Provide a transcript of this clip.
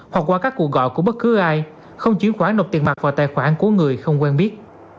hoặc qua các cuộc gọi của bất cứ ai không chuyển khoản nộp tiền mặt vào tài khoản của người không quen biết